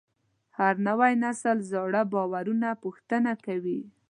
هر نوی نسل زاړه باورونه پوښتنه کوي.